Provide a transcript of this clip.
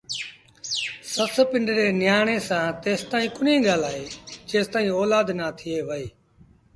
سس پنڊري نيٚآڻي سآݩ تيسائيٚݩ ڪونهيٚ ڳآلآئي جيستائيٚݩ اولآد نا ٿئي وهي